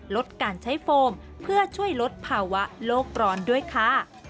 ลดการใช้โฟมเพื่อช่วยลดภาวะโลกร้อนด้วยค่ะ